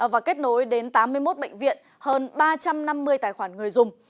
và kết nối đến tám mươi một bệnh viện hơn ba trăm năm mươi tài khoản người dùng